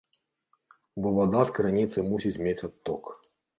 Бо вада з крыніцы мусіць мець адток.